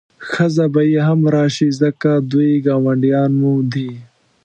ښځه به یې هم راشي ځکه دوی ګاونډیان مو دي.